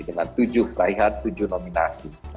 dengan tujuh raihan tujuh nominasi